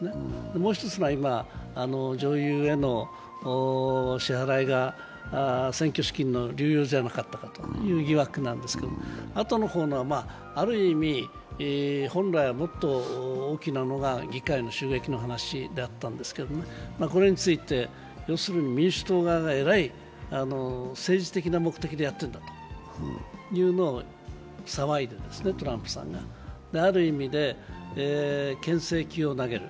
もう一つは今、女優への支払いが選挙資金の流用じゃなかったかという疑惑なんですけれども、あとの方のは、ある意味、本来はもっと大きなのが議会の襲撃の話だったんですけどこれについて、民主党側がえらい政治的な目的でやっているんだというのをトランプさんが騒いで、ある意味で牽制球を投げる。